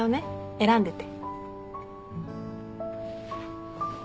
選んでて。